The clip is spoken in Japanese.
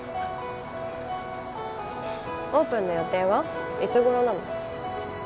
オープンの予定はいつ頃なの？